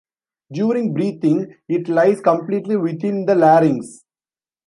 During breathing, it lies completely within the larynx.